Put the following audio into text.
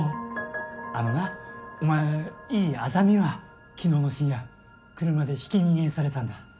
あのなお前維井莇は昨日の深夜車でひき逃げされたんだ。